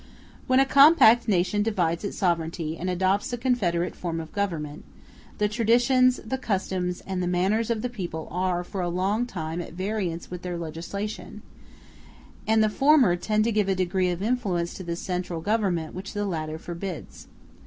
When a compact nation divides its sovereignty, and adopts a confederate form of government, the traditions, the customs, and the manners of the people are for a long time at variance with their legislation; and the former tend to give a degree of influence to the central government which the latter forbids.